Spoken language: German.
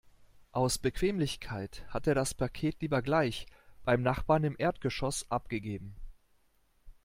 Aus Bequemlichkeit hat er das Paket lieber gleich beim Nachbarn im Erdgeschoss abgegeben.